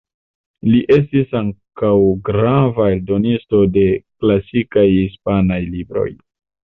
Li estis ankaŭ grava eldonisto de klasikaj hispanaj libroj.